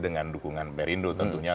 dengan dukungan merindu tentunya